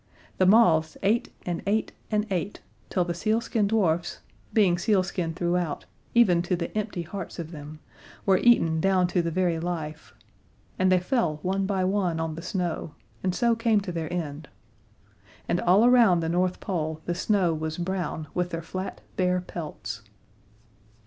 The moths ate and ate and ate till the sealskin dwarfs, being sealskin throughout, even to the empty hearts of them, were eaten down to the very life and they fell one by one on the snow and so came to their end. And all around the North Pole the snow was brown with their flat bare pelts.